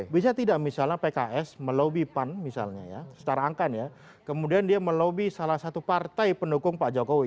bisa tidak misalnya pks melobi pan misalnya ya secara angkan ya kemudian dia melobi salah satu partai pendukung pak jokowi